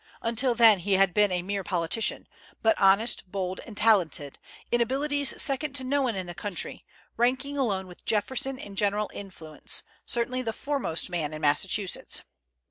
Until then he had been a mere politician, but honest, bold, and talented, in abilities second to no one in the country, ranking alone with Jefferson in general influence, certainly the foremost man in Massachusetts.